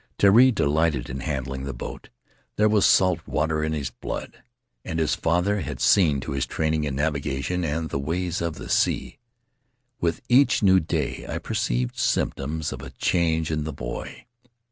Terii delighted in handling the boat; there was salt water in his blood; and his father had seen to his training in navigation and the ways of the sea. With each new day I perceived symptoms of a change in the boy.